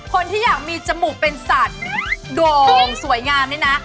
คนที่อยากมีจมูกเป็นสัตว์โด่งสวยงามนี่นะ